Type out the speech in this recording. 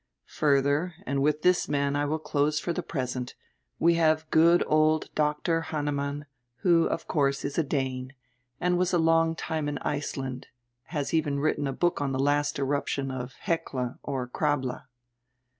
Fur ther, and with this man I will close for the present, we have good old Dr. Hannemann, who of course is a Dane, and was a long time in Iceland, has even written a book on the last eruption of Hekla, or Krabla."